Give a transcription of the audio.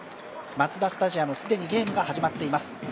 マツダスタジアム、既にゲームが始まっています。